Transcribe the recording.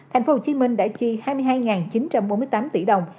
thành phố hồ chí minh đã tri hai mươi hai chín trăm bốn mươi tám tỷ đồng